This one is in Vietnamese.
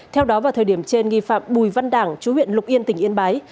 theo đó vào thời điểm trên nghi phạm bùi văn đảng chú huyện lục yên tỉnh yên bái